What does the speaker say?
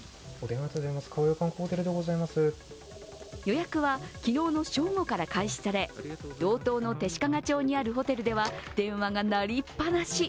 予約は昨日の正午から開始され道東の弟子屈町にあるホテルでは電話が鳴りっぱなし。